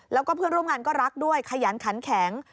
แล้วก็เพื่อนร่วมงานก็รักด้วยขยันขันแข็ง